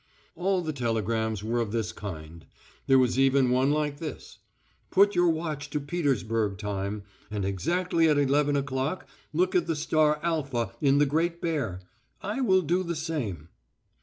All the telegrams were of this kind. There was even one like this: "Put your watch to Petersburg time, and exactly at eleven o'clock look at the star Alpha in the Great Bear. I will do the same."